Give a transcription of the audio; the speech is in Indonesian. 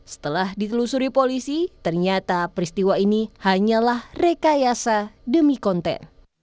setelah ditelusuri polisi ternyata peristiwa ini hanyalah rekayasa demi konten